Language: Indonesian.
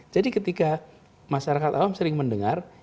jadi ketika masyarakat awam sering mendengar